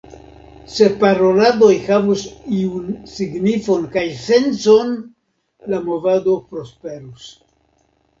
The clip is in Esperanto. Se paroladoj havus iun signifon kaj sencon, la movado prosperus.